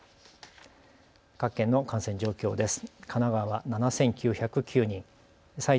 各県の感染状況です。